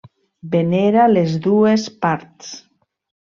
Venera les dues parts.